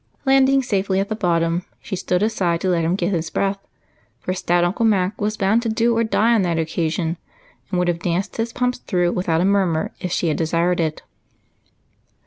Landing safely at the bottom, she stood aside to let him get his breath, for stout Uncle Mac was bound to do or die on that occasion and would have danced his pumps through without a murmur if she had desired it.